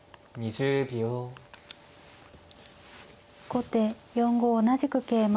後手４五同じく桂馬。